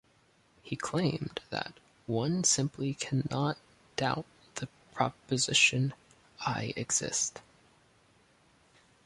He claimed that one simply cannot doubt the proposition "I exist".